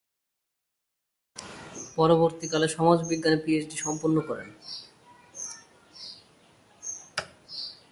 পরবর্তীকালে সমাজবিজ্ঞানে পিএইচডি সম্পন্ন করেন।